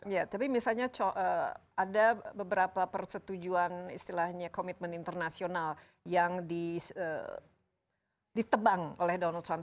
ya tapi misalnya ada beberapa persetujuan istilahnya komitmen internasional yang ditebang oleh donald trump